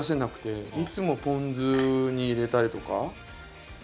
いつもポン酢に入れたりとか。